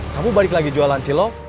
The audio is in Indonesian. kamu balik lagi jual lancilok